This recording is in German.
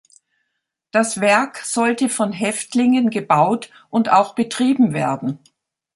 Das Werk sollte von Häftlingen gebaut und auch betrieben werden.